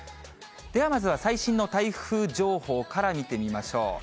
では、まずは最新の台風情報から見てみましょう。